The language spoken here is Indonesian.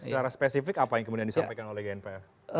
secara spesifik apa yang kemudian disampaikan oleh gnpf